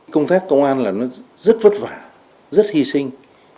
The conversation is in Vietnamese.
công tác công an là nó rất vất vả rất hy sinh